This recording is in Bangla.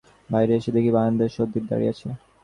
বাইরে এসে দেখি বারান্দায় সন্দীপ দাঁড়িয়ে আছে।